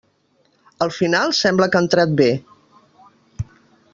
Al final sembla que ha entrat bé.